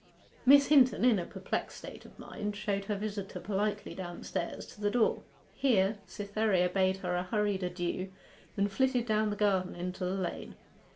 Miss Hinton, in a perplexed state of mind, showed her visitor politely downstairs to the door. Here Cytherea bade her a hurried adieu, and flitted down the garden into the lane.